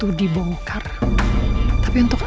udah nganggur tuh lu